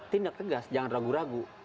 tindak tegas jangan ragu ragu